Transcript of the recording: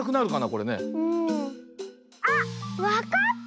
あっわかった！